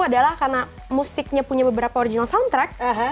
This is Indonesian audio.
adalah karena musiknya punya beberapa original soundtrack